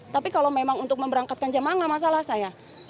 tapi kalau memang untuk memberangkatkan jamaah gak masalah saya